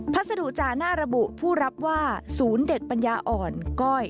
พัสดุจาน่าระบุผู้รับว่าศูนย์เด็กปัญญาอ่อนก้อย